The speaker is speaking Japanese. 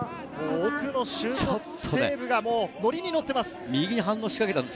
奥のシュートセーブがノリにノッてます。